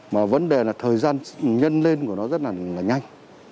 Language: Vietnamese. mà vấn đề là thời gian nhân lên của nó rất là nhanh